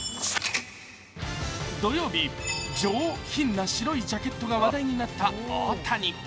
土曜日、上品な白いジャケットが話題になった大谷。